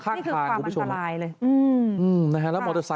ค่ากทางคุณผู้ชมครับนี่คือความอันตรายเลยอืมอืมนะฮะ